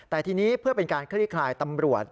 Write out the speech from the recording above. แต่ทีนี้เพื่อเป็นการคลี่คลายตำรวจ